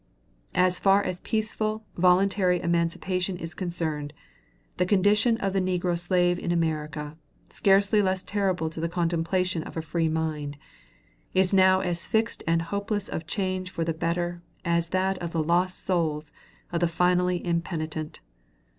So far as peaceful, voluntary emancipation is concerned, the condition of the negro slave in America, scarcely less terrible to the contemplation of a free mind, is now as fixed and hopeless of change for the better as that of the lost souls of the finally impenitent.